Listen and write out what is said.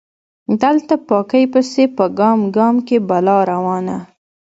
دلته پاکۍ پسې په ګام ګام کې بلا روانه